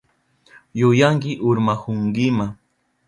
Yuyanki urmahunkima.